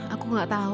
aku tidak tahu